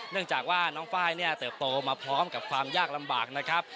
เนื่องจากว่าน้องไฟล์เนี่ยเติบโตมาพร้อมกับความยากลำบากนะครับ